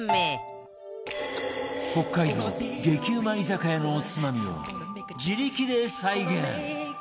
北海道激うま居酒屋のおつまみを自力で再現！